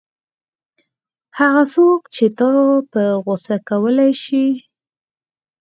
هغه څوک چې تا په غوسه کولای شي.